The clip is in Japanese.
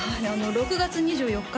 ６月２４日